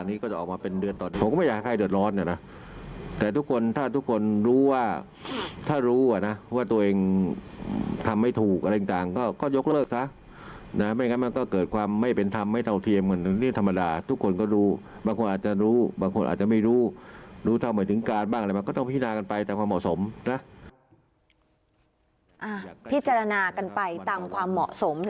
พิจารณากันไปตามความเหมาะสมแล้วแต่กรณีนะคะ